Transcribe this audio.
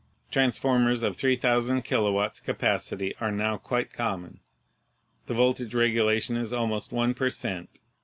Transformers of 3,000 kilowatts capacity are now quite common. The voltage regulation is almost one per cent.